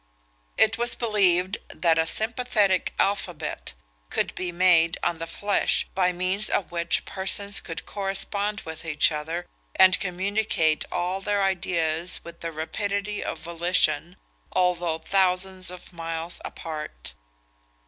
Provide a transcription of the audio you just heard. It was believed that a sympathetic alphabet could be made on the flesh, by means of which persons could correspond with each other, and communicate all their ideas with the rapidity of volition, although thousands of miles apart.